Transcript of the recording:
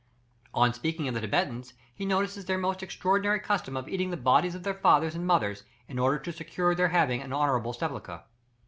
In speaking of the Thibetans he notices their most extraordinary custom of eating the bodies of their fathers and mothers, in order to secure their having an honourable sepulture.